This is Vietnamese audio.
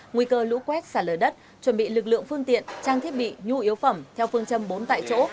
nguy cơ lũ quét xả lở đất chuẩn bị lực lượng phương tiện trang thiết bị nhu yếu phẩm theo phương châm bốn tại chỗ